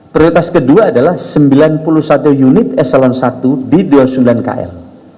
prioritas kedua adalah sembilan puluh satu unit eselon i di dua puluh sembilan kl